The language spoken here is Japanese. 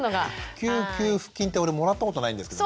育休給付金って俺もらったことないんですけど。